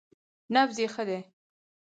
_نبض يې ښه دی.